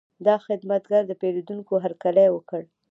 دا خدمتګر د پیرودونکي هرکلی وکړ.